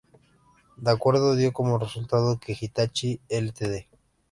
El acuerdo dio como resultado que Hitachi, Ltd.